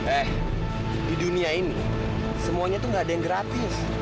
eh di dunia ini semuanya tuh gak ada yang gratis